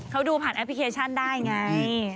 เขาดูผ่านแอปพลิเคชันได้ไง